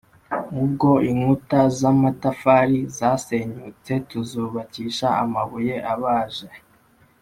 Ubwo inkuta z’amatafari zasenyutse, tuzubakisha amabuye abaje;